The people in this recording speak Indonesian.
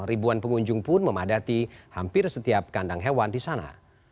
ribuan pengunjung pun memadati hampir setiap kandang hewan di sana